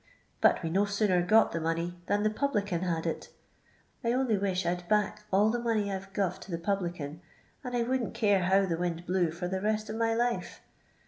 But we no sooner got the money than the publican had it I only wish I 'd back all the muney I 've guv to the publican, and I wouldn't care how the wind blew for the rest of my life.